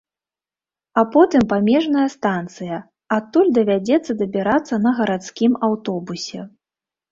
А потым памежная станцыя, адтуль давядзецца дабірацца на гарадскім аўтобусе.